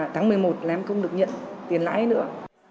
tháng một mươi một là em không được nhận tiền lãi nữa